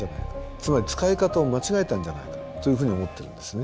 つまり使い方を間違えたんじゃないかというふうに思ってるんですね。